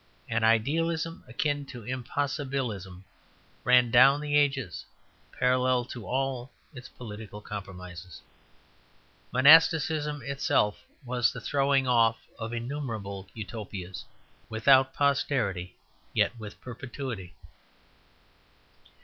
An idealism akin to impossibilism ran down the ages parallel to all its political compromises. Monasticism itself was the throwing off of innumerable Utopias, without posterity yet with perpetuity.